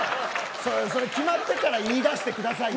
決まってから言い出してくださいよ。